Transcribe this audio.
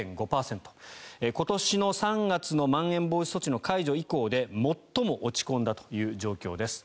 今年の３月のまん延防止措置の解除以降で最も落ち込んだという状況です。